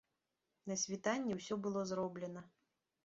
На світанні ўсё было зроблена.